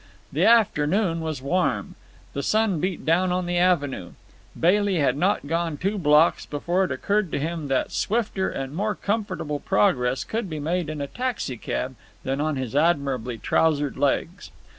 The afternoon was warm. The sun beat down on the avenue. Bailey had not gone two blocks before it occurred to him that swifter and more comfortable progress could be made in a taxicab than on his admirably trousered legs.